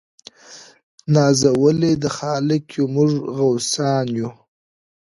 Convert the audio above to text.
نازولي د خالق یو موږ غوثان یو